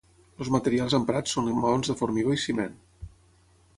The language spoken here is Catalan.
Els materials emprats són maons de formigó i ciment.